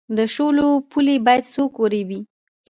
د شولو پولې باید څوک وریبي؟